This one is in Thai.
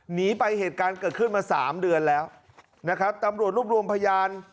หนีไปเหตุการณ์เกิดขึ้นมาสามเดือนแล้วนะครับตำรวจรวบรวมพยาน